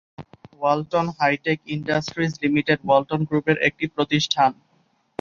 Walton hi tech industries limited Walton গ্রুপের একটি প্রতিষ্ঠান।